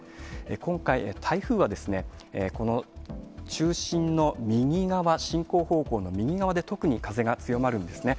今回、台風は、この中心の右側、進行方向の右側で特に風が強まるんですね。